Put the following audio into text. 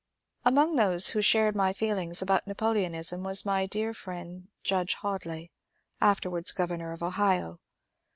Among those who shared my feelings about Napoleonism was my dear friend Judge Hoadly, afterwards governor of Ohio.